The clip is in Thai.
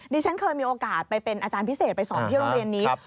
ดิฉันเคยมีโอกาสไปเป็นอาจารย์พิเศษไปสอนที่โรงเรียนนี้